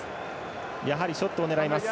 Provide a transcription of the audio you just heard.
やはりショットを狙います。